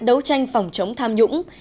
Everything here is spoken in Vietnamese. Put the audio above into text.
đấu tranh phòng chống tham nhũng